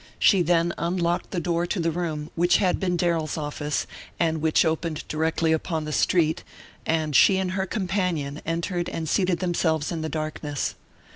She then unlocked the door to the room which had been Darrell's office and which opened directly upon the street, and she and her companion entered and seated themselves in the darkness.